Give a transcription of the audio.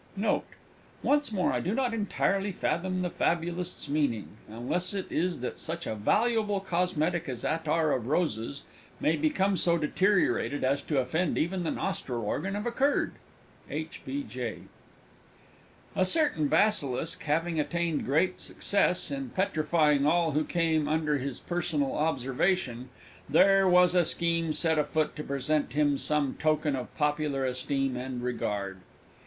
Note. Once more I do not entirely fathom the Fabulist's meaning unless it is that such a valuable cosmetic as Attar of Roses may become so deteriorated as to offend even the nostril organ of a Kurd. H. B. J. A certain Basilisk having attained great success in petrifying all who came under his personal observation, there was a Scheme set afoot to present him with some Token of popular esteem and regard.